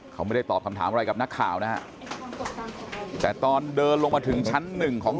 เขาไม่ได้ตอบคำถามอะไรกับนักข่าวนะฮะแต่ตอนเดินลงมาถึงชั้นหนึ่งของ